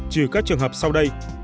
trừ các trường hợp sau đây